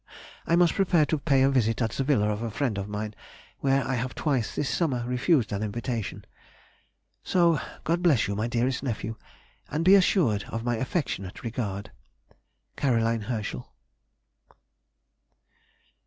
I must prepare to pay a visit at the villa of a friend of mine where I have twice this summer refused an invitation. So, God bless you, my dearest nephew, and be assured of my affectionate regard. C. HERSCHEL. [Sidenote: 1828. _On her Diary.